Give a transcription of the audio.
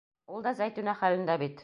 Ул да Зәйтүнә хәлендә бит.